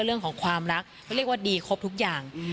เรื่องของความรักเขาเรียกว่าดีครบทุกอย่าง